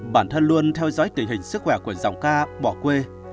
bản thân luôn theo dõi tình hình sức khỏe của dòng ca bỏ quê